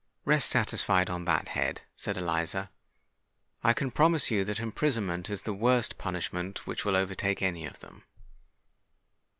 "Rest satisfied on that head," said Eliza. "I can promise you that imprisonment is the worst punishment which shall overtake any of them."